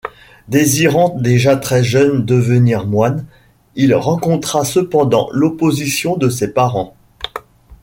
Désirant déjà très jeune devenir moine, il rencontra cependant l’opposition de ses parents.